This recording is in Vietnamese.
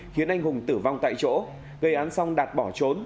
khiến anh hùng tử vong tại chỗ gây án xong đạt bỏ trốn